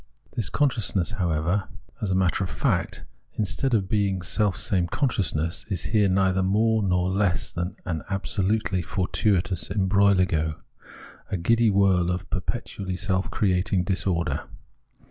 This consciousness, however, as a matter 198 Phenomenology of Mind of fact, instead of being a self same consciousness, is here neither more nor less than an absolutely fortuitous embroglio, the giddy whirl of a perpetually self creating disorder.